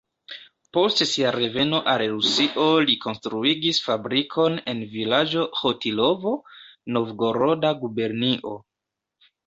Post sia reveno al Rusio li konstruigis fabrikon en vilaĝo Ĥotilovo, Novgoroda gubernio.